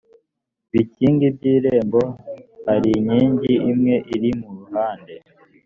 bikingi by irembo hari inkingi imwe iri mu ruhande